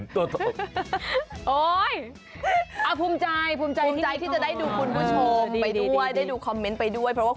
ตอนนี้ดูไปแล้ว